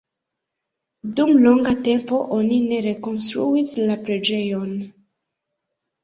Dum longa tempo oni ne rekonstruis la preĝejon.